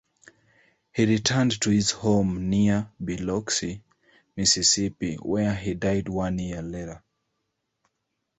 He returned to his home near Biloxi, Mississippi where he died one year later.